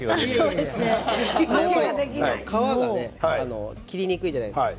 皮が切りにくいじゃないですか